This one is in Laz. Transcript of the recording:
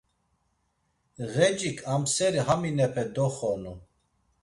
Ğecik amseri haminepe doxonu.